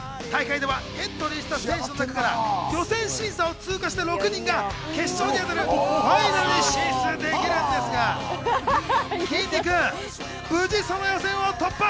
大会ではエントリーした選手の中から予選審査を通過した６人が決勝に当たるファイナルに進出できるんですが、きんに君、無事その予選を突破。